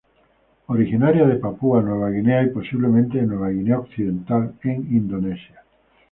Originaria de Papúa Nueva Guinea y posiblemente de Nueva Guinea Occidental en Indonesia.